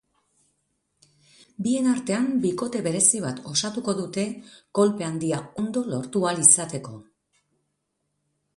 Bien artaen bikote berezi bat osatuko dute kolpe handia ondo lortu ahal izateko.